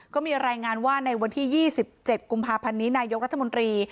ก็มีรายงานว่าในวันที่๒๗กุมภาพันธ์นี้นายกรัฐมนตรี